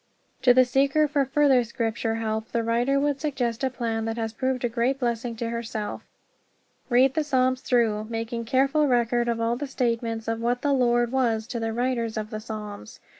To the seeker for further Scripture help the writer would suggest a plan that has proved a great blessing to herself. Read the Psalms through, making careful record of all the statements of what the Lord was to the writers of the Psalms.